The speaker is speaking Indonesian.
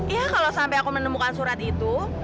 iya kalau sampai aku menemukan surat itu